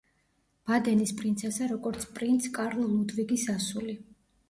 ბადენის პრინცესა როგორც პრინც კარლ ლუდვიგის ასული.